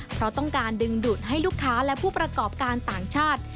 เพราะต้องการดึงดูดให้ลูกค้าและผู้ประกอบการต่างชาติ